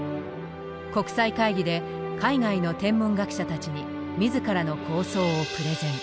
国際会議で海外の天文学者たちに自らの構想をプレゼン。